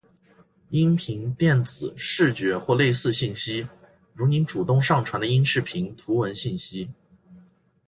·音频、电子、视觉或类似信息。如您主动上传的音视频、图文信息。